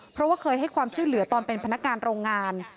เพราะว่าเคยให้ความช่วยเหลือตอนเป็นพนักงานโรงงาน